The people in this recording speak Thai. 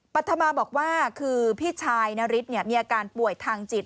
ปัธมาบอกว่าคือพี่ชายนาริสมีอาการป่วยทางจิต